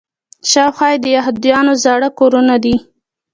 شاوخوا یې د یهودانو زاړه کورونه دي.